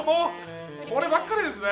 こればっかりですね